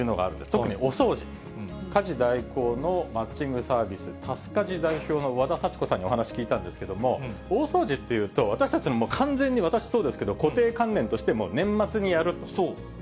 特にお掃除、家事代行のマッチングサービス、タスカジ代表の和田幸子さんにお話、聞いたんですけど、大掃除というと、私たちはもう完全に、私そうですけど、固定観念として、年末にやると。